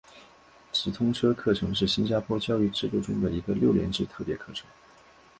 直通车课程是新加坡教育制度中的一个六年制特别课程。